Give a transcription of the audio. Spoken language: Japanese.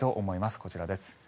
こちらです。